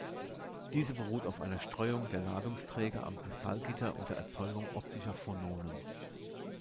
Diese beruht auf einer Streuung der Ladungsträger am Kristallgitter unter Erzeugung optischer Phononen.